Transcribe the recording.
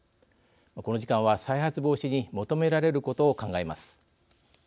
この時間は再発防止に求められることを考えます。